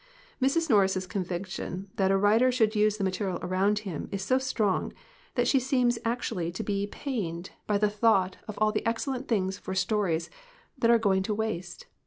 Mrs. Norris's conviction that a writer should use the material around him is so strong that she seems actually to be pained by the thought of all the excellent things for stories that are going to waste.